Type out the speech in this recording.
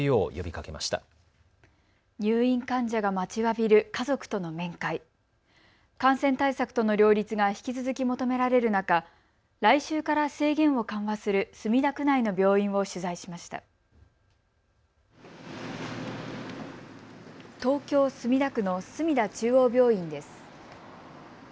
東京墨田区の墨田中央病院です。